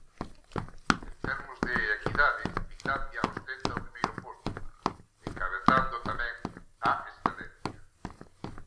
En termos de equidade Finlandia ostenta o primeiro posto, encabezando tamén a excelencia.